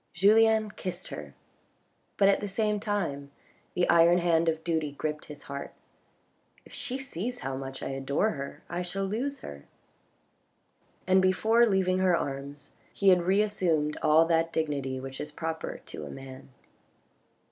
Julien kissed her, but at the same time the iron hand of duty gripped his heart. If she sees how much I adore her I shall lose her. And before leaving her arms, he had reassumed all that dignity which is proper to a man.